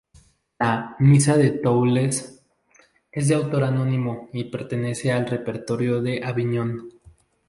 La "Misa de Toulouse" es de autor anónimo y pertenece al repertorio de Aviñón.